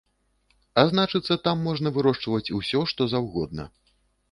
А значыцца, там можна вырошчваць усё што заўгодна.